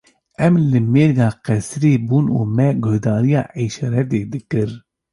Em li mêrga qesirê bûn û me guhdariya îşaretê dikir.